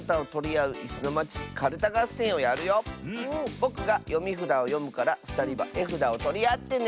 ぼくがよみふだをよむからふたりはえふだをとりあってね！